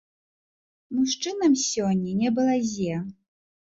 Мужчынам сёння не балазе.